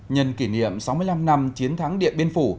nhân kỷ niệm sáu mươi năm năm chiến thắng điện biên phủ